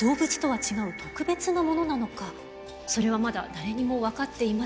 それはまだ誰にも分かっていません。